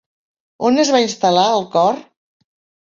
On es va instal·lar el cor?